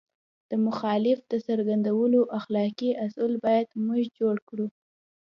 د مخالفت د څرګندولو اخلاقي اصول باید موږ جوړ کړو.